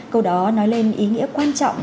câu đó nói lên ý nghĩa quan trọng